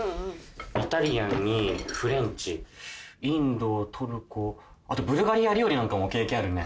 イタリアンにフレンチインドトルコあとブルガリア料理なんかも経験あるね。